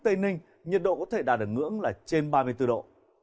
tây ninh nhiệt độ có thể đạt được ngưỡng là trên ba mươi bốn độ